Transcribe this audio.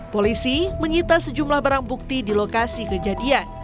polisi menyita sejumlah barang bukti di lokasi kejadian